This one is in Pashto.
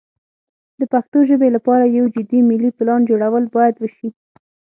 د پښتو ژبې لپاره یو جدي ملي پلان جوړول باید وشي.